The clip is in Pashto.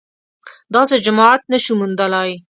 داسې جماعت نه شو موندلای